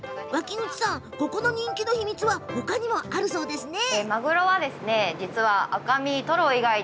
ここの人気の秘密はほかにもあるそうですね。